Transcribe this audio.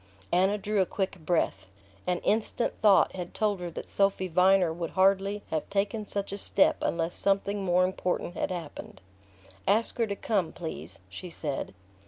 Anna drew a quick breath. An instant's thought had told her that Sophy Viner would hardly have taken such a step unless something more important had happened. "Ask her to come, please," she said.